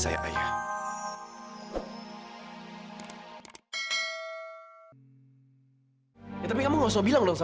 ya ya yaudah lah